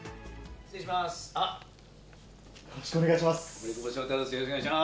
失礼します。